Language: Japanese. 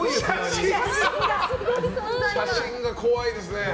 写真が怖いですね。